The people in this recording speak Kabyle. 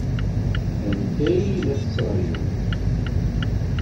Anta i la tettṛaǧum?